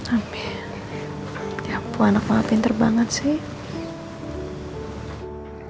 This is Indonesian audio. amin ya ampun anak muha pinter banget sih